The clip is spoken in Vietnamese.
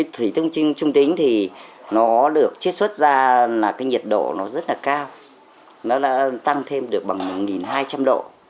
thủy thông trinh trung tính thì nó được chế xuất ra là cái nhiệt độ nó rất là cao nó đã tăng thêm được bằng một hai trăm linh độ